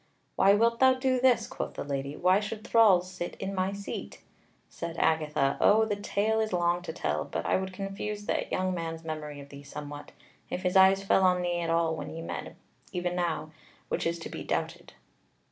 "Why wilt thou do this?" quoth the Lady; "Why should thralls sit in my seat?" Said Agatha: "O, the tale is long to tell; but I would confuse that young man's memory of thee somewhat, if his eyes fell on thee at all when ye met e'en now, which is to be doubted."